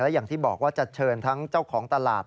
อย่างที่บอกว่าจะเชิญทั้งเจ้าของตลาด